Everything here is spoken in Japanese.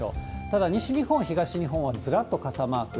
ただ、西日本、東日本はずらっと傘マーク。